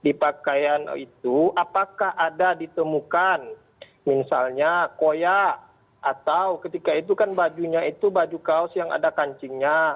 di pakaian itu apakah ada ditemukan misalnya koya atau ketika itu kan bajunya itu baju kaos yang ada kancingnya